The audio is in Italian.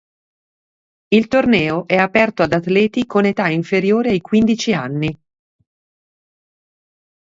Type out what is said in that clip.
Il torneo è aperto ad atleti con età inferiore ai quindici anni.